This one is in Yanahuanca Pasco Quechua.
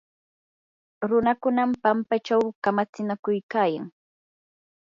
runakunam pampachaw kamatsinakuykayan.